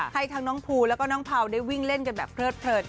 ให้ทั้งน้องภูแล้วก็น้องเภาได้วิ่งเล่นกันแบบเผิดอีกด้วยค่ะ